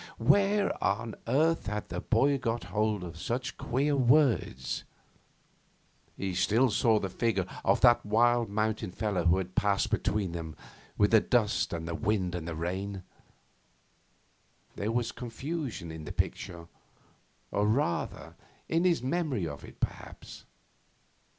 Where on earth had the boy got hold of such queer words? He still saw the figure of that wild mountain fellow who had passed between them with the dust and wind and rain. There was confusion in the picture, or rather in his memory of it, perhaps.